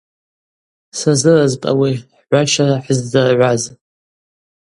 Сазыразпӏ ауи, хӏгӏващара хӏыззыргӏваз.